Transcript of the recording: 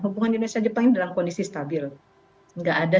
hubungan indonesia jepang ini dalam kondisi stabil nggak ada